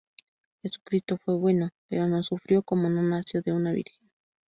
Jesucristo fue bueno, pero no sufrió como no nació de una virgen.